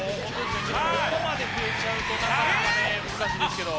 ここまで増えちゃうとなかなか難しいですけど。